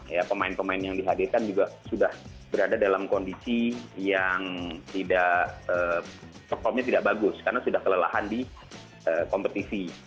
ya pemain pemain yang dihadirkan juga sudah berada dalam kondisi yang tidak performnya tidak bagus karena sudah kelelahan di kompetisi